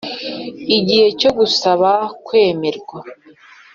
Igihe cyo gusaba kwemererwa